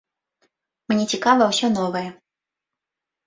Мне цікава ўсё новае.